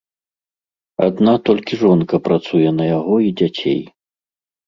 Адна толькі жонка працуе на яго і дзяцей.